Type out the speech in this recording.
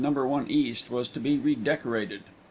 1 East, was to be redecorated.